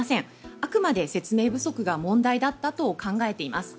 あくまで説明不足が問題だったと考えています。